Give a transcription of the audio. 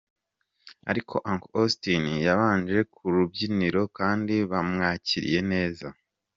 Ariko Uncle Austin yabanje ku rubyiniro kandi bamwakiriye neza.